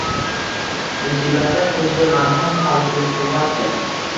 Musibatlar ko‘zga malham, qalbga quvvatdir.